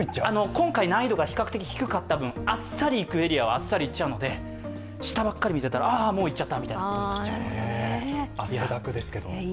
今回、難易度が比較的低かった分あっさりいくエリアはあっさりいってしまうので下ばかり見てたら、もう行っちゃったみたいな。